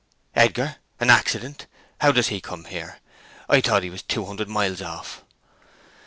"Edgar! An accident! How does he come here? I thought he was two hundred mile off."